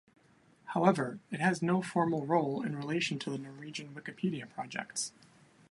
However, it has no formal role in relation to the Norwegian Wikipedia projects.